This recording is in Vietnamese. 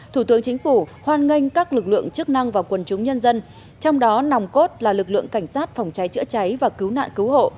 thủ tướng chính phủ hoan nghênh các lực lượng chức năng và quần chúng nhân dân trong đó nòng cốt là lực lượng cảnh sát phòng cháy chữa cháy và cứu nạn cứu hộ